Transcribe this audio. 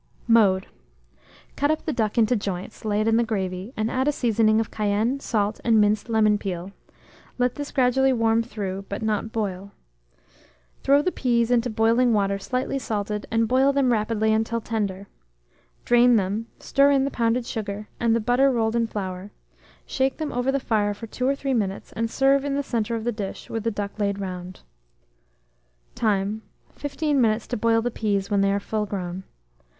Mode. Cut up the duck into joints, lay it in the gravy, and add a seasoning of cayenne, salt, and minced lemon peel; let tins gradually warm through, but not boil. Throw the peas into boiling water slightly salted, and boil them rapidly until tender. Drain them, stir in the pounded sugar, and the butter rolled in flour; shake them over the fire for two or three minutes, and serve in the centre of the dish, with the duck laid round. Time. 15 minutes to boil the peas, when they are full grown.